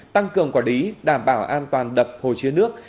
tăng cường quản lý đảm bảo an toàn đập hồ chứa nước